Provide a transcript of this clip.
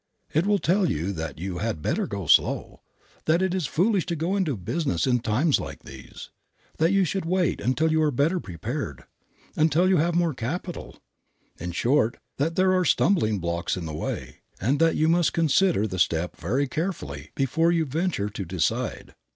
It will tell you that you had better go slow, that it is foolish to go into business in times like these, that you should wait until you are better prepared, until you have more capital; in short, that there are stumbling blocks in the way, and that you must consider the step very carefully before you venture to decide.